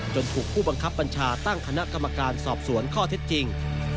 ถูกผู้บังคับบัญชาตั้งคณะกรรมการสอบสวนข้อเท็จจริง